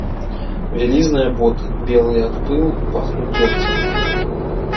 Вялізныя боты, белыя ад пылу, пахнуць дзёгцем.